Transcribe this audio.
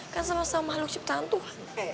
kan sama sama mahluk ciptantuan